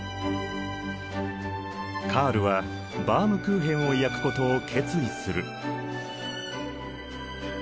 カールはバウムクーヘンを焼くことを決意する。